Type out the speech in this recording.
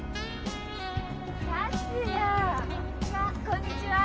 こんにちは。